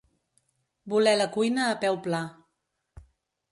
Voler la cuina a peu pla.